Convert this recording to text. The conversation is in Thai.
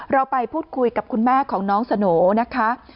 เราไปพูดคุยกับคุณแม่ของน้องสโหน่นะคะ